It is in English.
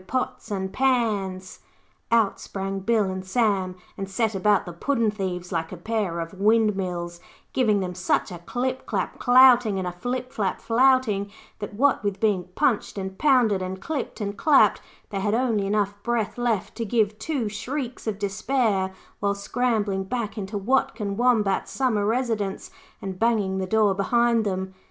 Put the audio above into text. Pots and Pans.' Out sprang Bill and Sam and set about the puddin' thieves like a pair of windmills, giving them such a clip clap clouting and a flip flap flouting, that what with being punched and pounded, and clipped and clapped, they had only enough breath left to give two shrieks of despair while scrambling back into Watkin Wombat's Summer Residence, and banging the door behind them.